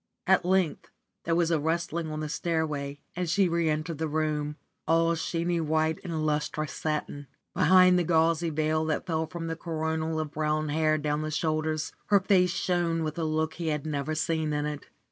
At length there was a rustling on the stairway, and she re entered the room, all sheeny white in lustrous satin. Behind the gauzy veil that fell from the coronal of dark brown hair adown the shoulders her face shone with a look he had never seen in it.